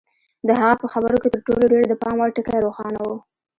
د هغه په خبرو کې تر ټولو ډېر د پام وړ ټکی روښانه و.